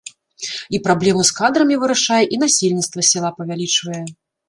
І праблему з кадрамі вырашае, і насельніцтва сяла павялічвае.